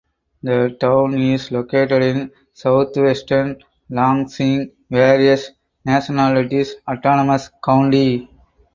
The town is located in southwestern Longsheng Various Nationalities Autonomous County.